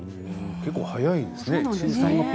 結構早いですね。